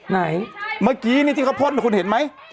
ไหนเมื่อกี้ที่เขาพ่นคุณเห็นไหม